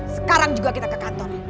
sekarang juga kita ke kantor